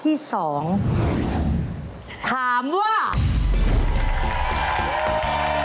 เปลี่ยนตัวเองกันสิเปลี่ยนตัวเองกันสิ